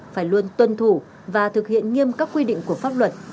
phải luôn tuân thủ và thực hiện nghiêm các quy định của pháp luật